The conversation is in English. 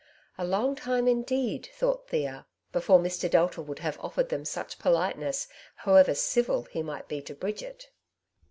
"A long time, in deed,^^ thought Thea, '^ before Mr. Delta would have offered them such politeness, however ' civil ' he might be to Bridget.